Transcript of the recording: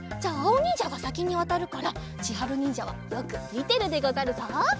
おにんじゃがさきにわたるからちはるにんじゃはよくみてるでござるぞ。